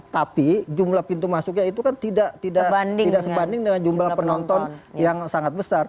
tapi jumlah pintu masuknya itu kan tidak sebanding dengan jumlah penonton yang sangat besar